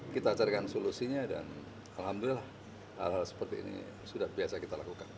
kita carikan solusinya dan alhamdulillah hal hal seperti ini sudah biasa kita lakukan